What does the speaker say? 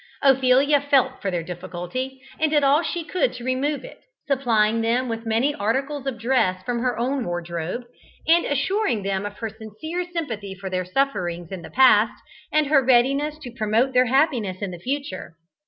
Ophelia felt for their difficulty, and did all she could to remove it, supplying them with many articles of dress from her own wardrobe, and assuring them of her sincere sympathy for their sufferings in the past, and her readiness to promote their happiness in the future.